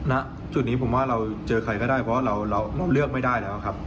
ณจุดนี้ผมว่าเราเจอใครก็ได้เพราะเราเลือกไม่ได้แล้วครับ